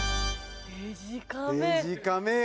デジカメよ！